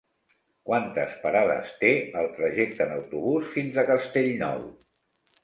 Quantes parades té el trajecte en autobús fins a Castellnou?